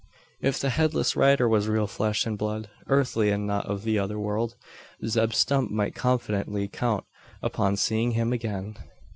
If the headless rider was real flesh and blood earthly and not of the other world Zeb Stump might confidently count upon seeing him again.